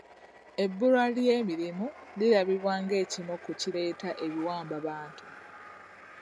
Ebbulwa ly'emirimu lirabibwa ng'ekimu ku kireeta ebiwambabantu.